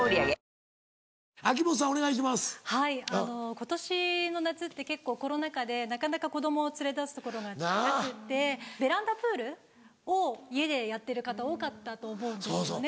今年の夏って結構コロナ禍でなかなか子供を連れ出す所がなくってベランダプールを家でやってる方多かったと思うんですよね。